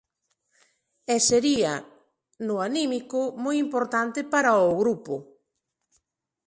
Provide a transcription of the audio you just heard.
E sería no anímico moi importante para o grupo.